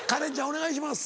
お願いします。